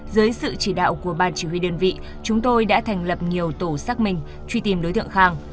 dưới sự chỉ đạo của ban chỉ huy đơn vị chúng tôi đã thành lập nhiều tổ xác minh truy tìm đối tượng khang